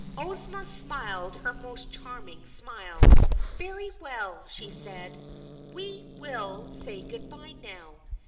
Ozma smiled her most charming smile. "Very well," she said. "We will say goodbye now.